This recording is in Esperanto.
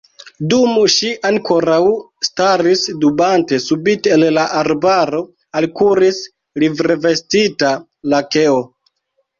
Dum ŝi ankoraŭ staris dubante, subite el la arbaro alkuris livrevestita lakeo